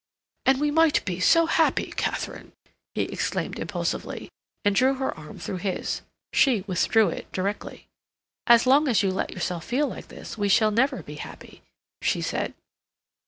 "And we might be so happy, Katharine!" he exclaimed impulsively, and drew her arm through his. She withdrew it directly. "As long as you let yourself feel like this we shall never be happy," she said.